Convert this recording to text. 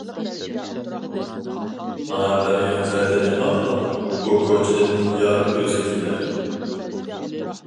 ماڭا بەرگەن ۋەدىنى ئاقلاپ، بۇ كوچىدىن يار ئۆزى كېلەر.